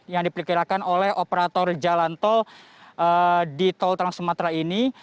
yang diperkirakan oleh operator jalan tol di tol trans sumatera ini